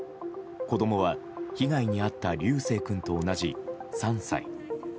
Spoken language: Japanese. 子供は被害に遭った琉正君と同じ３歳。